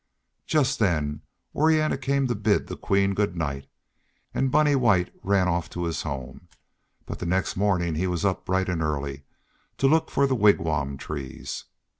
Just then Orianna came to bid the Queen good night, and Bunny White ran off to his home, but the next morning he was up bright and early to look for the wigwam trees.